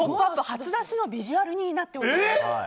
初出しのビジュアルになっております。